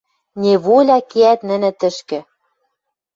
Неволя кеӓт нӹнӹ тӹшкӹ